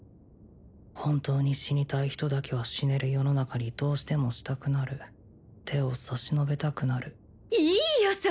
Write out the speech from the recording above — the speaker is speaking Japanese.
本当に死にたい人だけは死ねる世の中にどうしてもしたくなる手を差し伸べたくなるいいよ